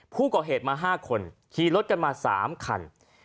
ผู้ก่อเหตุมา๕คนขี่รถกันมา๓คัน